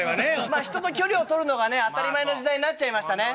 まあ人と距離をとるのがね当たり前の時代になっちゃいましたね。